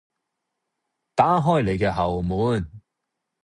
打開你嘅後門